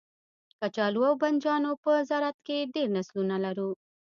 کچالو او بنجانو په زرعت کې ډیر نسلونه لرو